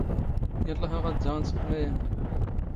ⵢⴰⵍⵍⴰⵀ ⴰⵖ ⴰⴷ ⴷⴰⵖ ⵏⵙⴽⵔ ⵎⴰⵢⴰⵏⵏ.